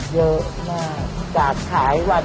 เยอะมากจากขายวัน